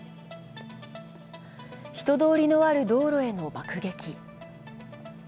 人通りのある道路への爆撃。